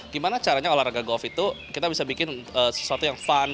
gimana caranya olahraga golf itu kita bisa bikin sesuatu yang fun